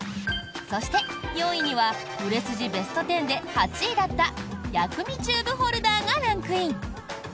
そして、４位には売れ筋ベスト１０で８位だった薬味チューブホルダーがランクイン。